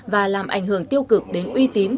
và làm ảnh hưởng tiêu cực đến uy tín